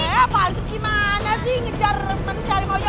eh pak rizky mana sih ngejar manusia harimau nya